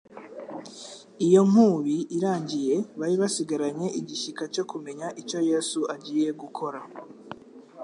Iyo nkubi irangiye bari basigaranye igishyika cyo kumenya icyo Yesu agiye gukora.